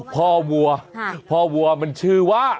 วัวพ่อวัวมันชื่อว่า